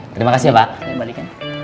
terima kasih ya pak